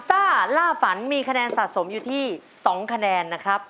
ซ่าล่าฝันมีคะแนนสะสมอยู่ที่๒คะแนนนะครับ